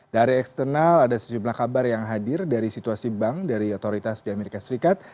dari eksternal ada sejumlah kabar yang hadir dari situasi bank dari otoritas di amerika serikat